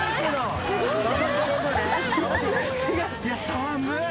寒い。